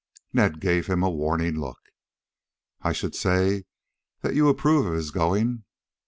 Ned gave him a warning look. "I should say that you approve of his going.